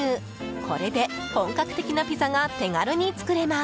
これで本格的なピザが手軽に作れます。